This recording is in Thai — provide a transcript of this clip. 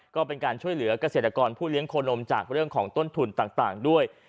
ก็เป็นการช่วยเหลือกเกษตรกรผู้เลี้ยงโคนมจากเรื่องของต้นทุนต่างด้วย